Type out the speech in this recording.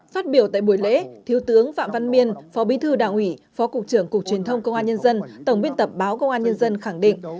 phát biểu tại buổi lễ thiếu tướng phạm văn miên phó bí thư đảng ủy phó cục trưởng cục truyền thông công an nhân dân tổng biên tập báo công an nhân dân khẳng định